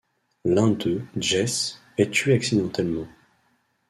L'un d'eux, Jesse, est tué accidentellement.